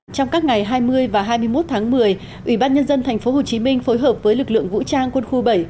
trong các ngày hai mươi và hai mươi một tháng một mươi ủy ban nhân dân tp hcm phối hợp với lực lượng vũ trang quân khu bảy